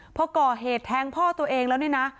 พอก่อเหตุแทงพ่อตัวเองแล้วเนี่ยนะ